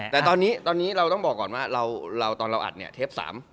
แต่ตอนนี้เราต้องบอกก่อนว่าเราตอนเราอัดเนี่ยเทป๓